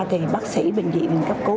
thì bác sĩ bệnh viện cấp bốn